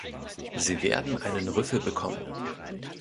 Sie werden einen Rüffel bekommen!